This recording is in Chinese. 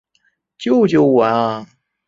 救救我啊！